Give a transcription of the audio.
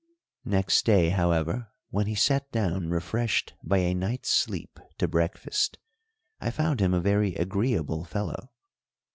Next day, however, when he sat down refreshed by a night's sleep to breakfast, I found him a very agreeable fellow.